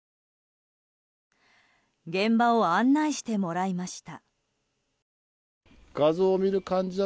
現場を案内してもらいました。